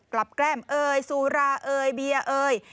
แกล้มเอ่ยสุราเอยเบียร์เอ่ย